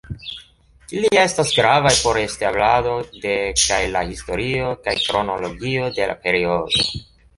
Ili estas gravaj por establado de kaj la historio kaj kronologio de la periodo.